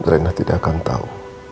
rina tidak akan tahu